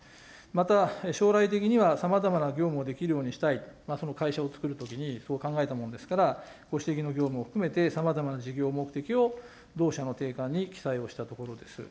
また、将来的にはさまざまな業務をできるようにしたい、その会社をつくるときにそう考えたものですから、ご指摘の業務も含めて、さまざまな事業目的を同社の定款に記載をしたところです。